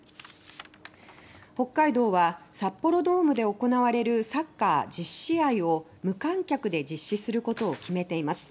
北海道は札幌ドームで行われるサッカー１０試合を無観客で実施することを決めています。